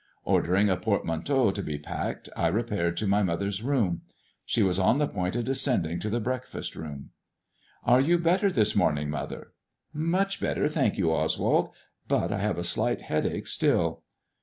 Ordering a portmanteau to be packed, I repaired to my mother's room. She was on the point of descending to the breakfast room. " Are you better this morning, mother 1 "Much better, thank you, Oswald ; but I have a slight headache still."